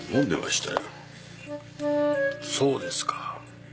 そうですか。